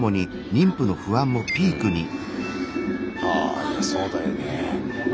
あいやそうだよね。